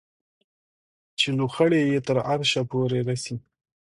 چې لوخړې یې تر عرشه پورې رسي